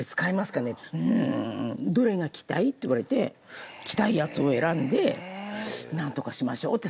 「どれが着たい？」って言われて着たいやつを選んで「なんとかしましょう」って。